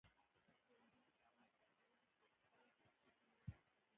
د نجونو تعلیم د چاپیریال پوهاوي زیاتولو مرسته کوي.